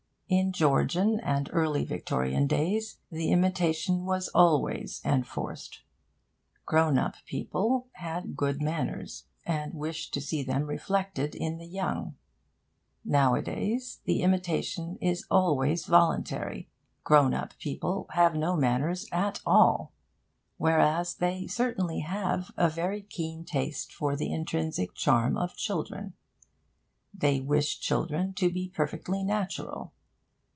In Georgian and Early Victorian days the imitation was always enforced. Grown up people had good manners, and wished to see them reflected in the young. Nowadays, the imitation is always voluntary. Grown up people have no manners at all; whereas they certainly have a very keen taste for the intrinsic charm of children. They wish children to be perfectly natural.